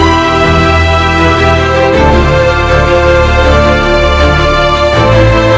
ibu nang akan selamatkan ibu